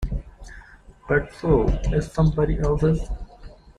But so is somebody else's.